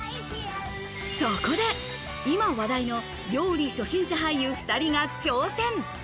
そこで、今話題の料理初心者俳優２人が挑戦。